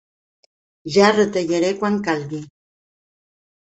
Ja retallaré quan calgui.